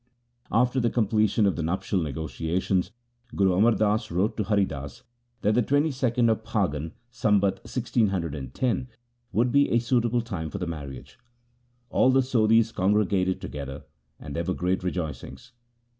After the completion of the nuptial negotiations Guru Amar Das wrote to Hari Das that the twenty second of Phagan, Sambat 1610, would be a suitable time for the marriage. All the Sodhis congregated together, and there were great rejoicings.